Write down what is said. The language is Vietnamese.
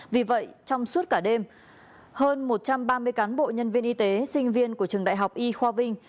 vì vậy trong suốt cả đêm hơn một trăm ba mươi cán bộ nhân viên y tế sinh viên của trường đại học y khoa vinh